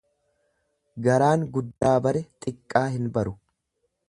Garaan guddaa bare xiqqaa hin baru.